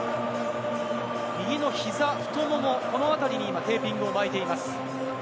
右の膝、太もも、このあたりにテーピングを巻いています。